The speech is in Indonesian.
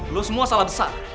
lo semua salah besar